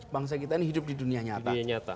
bangsa kita ini hidup di dunia nyata